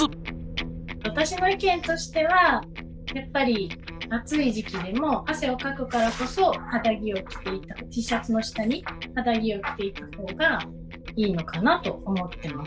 私の意見としてはやっぱり暑い時期でも汗をかくからこそＴシャツの下に肌着を着ていく方がいいのかなと思ってます。